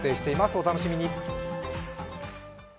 お楽しみに。